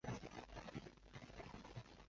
构成集合的事物或对象称作元素或是成员。